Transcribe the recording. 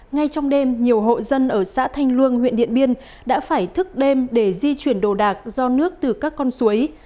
ngay trong đêm nhiều hộ dân ở xã thanh luông huyện điện biên đã phải thức đêm để di chuyển đồ đạc do nước từ các con suối